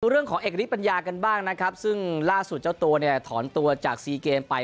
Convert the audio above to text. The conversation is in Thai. เรื่องของเอกฤทธปัญญากันบ้างนะครับซึ่งล่าสุดเจ้าตัวเนี่ยถอนตัวจากซีเกมไป